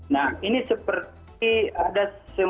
nah ini seperti ada